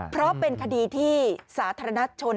ก็เป็นคดีที่สาธารณชน